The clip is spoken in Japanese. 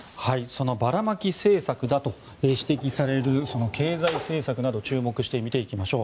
そのばらまき政策だと指摘されるその経済政策など注目して見ていきましょう。